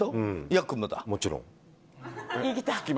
もちろん。